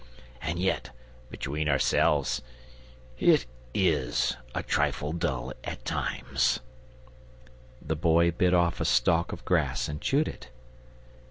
And yet, between ourselves, it IS a trifle dull at times." The Boy bit off a stalk of grass and chewed it.